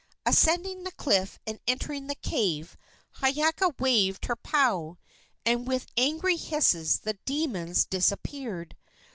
Ascending the cliff and entering the cave, Hiiaka waved her pau, and with angry hisses the demons disappeared.